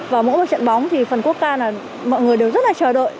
và mỗi một trận bóng thì phần quốc ca là mọi người đều rất là chờ đợi